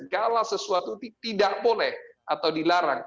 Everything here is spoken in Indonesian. segala sesuatu tidak boleh atau dilarang